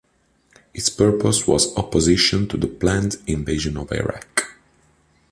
Its purpose was opposition to the planned invasion of Iraq.